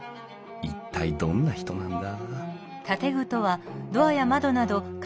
一体どんな人なんだ？